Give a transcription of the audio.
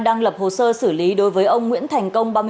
đang lập hồ sơ xử lý đối với ông nguyễn thành công